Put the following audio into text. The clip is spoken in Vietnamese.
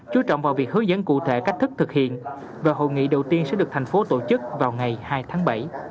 chú trọng vào việc hướng dẫn cụ thể cách thức thực hiện và hội nghị đầu tiên sẽ được thành phố tổ chức vào ngày hai tháng bảy